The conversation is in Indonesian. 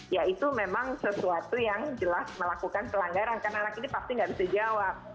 ya itu memang sesuatu yang jelas melakukan pelanggaran karena anak ini pasti nggak bisa jawab